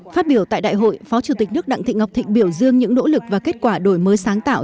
phát biểu tại đại hội phó chủ tịch nước đặng thị ngọc thịnh biểu dương những nỗ lực và kết quả đổi mới sáng tạo